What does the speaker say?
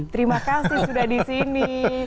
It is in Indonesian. terima kasih sudah di sini